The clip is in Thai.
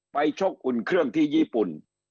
ชกอุ่นเครื่องที่ญี่ปุ่น